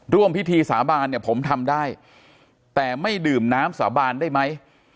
ร่วมพิธีสาบานเนี่ยผมทำได้แต่ไม่ดื่มน้ำสาบานได้ไหม